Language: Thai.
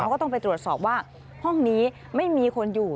เขาก็ต้องไปตรวจสอบว่าห้องนี้ไม่มีคนอยู่